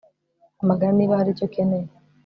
Hamagara niba hari icyo ukeneye